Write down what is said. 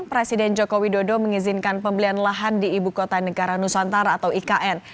presiden joko widodo mengizinkan pembelian lahan di ibu kota negara nusantara atau ikn